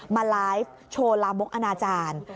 มาไลฟ์โชว์ลามกอนาจารย์